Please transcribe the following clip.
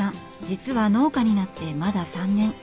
実は農家になってまだ３年。